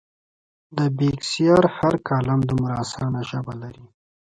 د بېکسیار هر کالم دومره اسانه ژبه لري.